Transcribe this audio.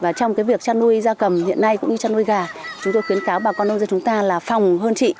và trong việc chăn nuôi da cầm hiện nay cũng như chăn nuôi gà chúng tôi khuyến cáo bà con nông dân chúng ta là phòng hơn trị